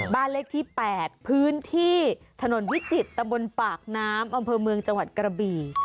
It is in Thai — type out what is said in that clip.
บ้านเลขที่๘พื้นที่ถนนวิจิตรตำบลปากน้ำอำเภอเมืองจังหวัดกระบี่